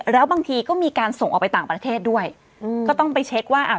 แล้วบางทีก็มีการส่งออกไปต่างประเทศด้วยอืมก็ต้องไปเช็คว่าอ่า